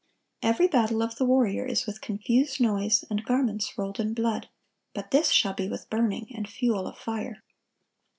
(1165) "Every battle of the warrior is with confused noise, and garments rolled in blood; but this shall be with burning and fuel of fire."